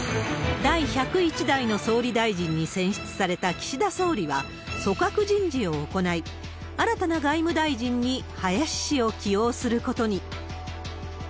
第１０１代の総理大臣に選出された岸田総理は組閣人事を行い、新たな外務大臣に林氏を起用することに。